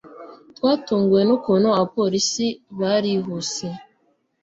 twatunguwe nukuntu abapolisi barihuse